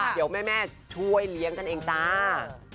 เดี๋ยวแม่ช่วยเลี้ยงกันเองจ้า